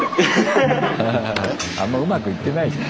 あんまうまくいってないじゃん。